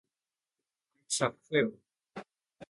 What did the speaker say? That's a fib!